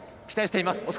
期待しています。